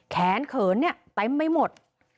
แขนเขินเนี่ยไตม์ไม่หมด